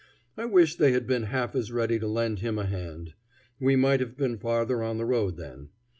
I wish they had been half as ready to lend him a hand. We might have been farther on the road then.